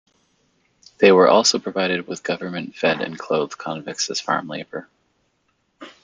They were also provided with government-fed and clothed convicts as farm labour.